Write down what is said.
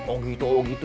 oh gitu oh gitu